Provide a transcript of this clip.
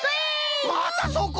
またそこ？